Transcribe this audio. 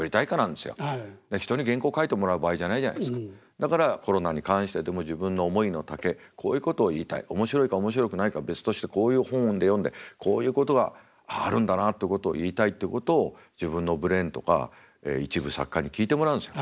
だからコロナに関してでも自分の思いのたけこういうことを言いたい面白いか面白くないか別としてこういう本で読んでこういうことがあるんだなってことを言いたいってことを自分のブレーンとか一部作家に聞いてもらうんですよ。